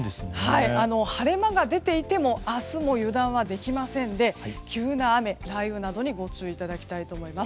晴れ間が出ていても明日も油断はできませんで急な雨、雷雨などにご注意いただきたいと思います。